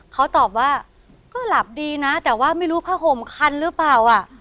เขาตอบว่าก็หลับดีนะแต่ว่าไม่รู้ผ้าห่มคันหรือเปล่าอ่ะ